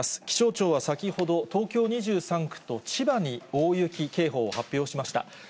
気象庁は先ほど、東京２３区と千葉に大雪警報を発表しました。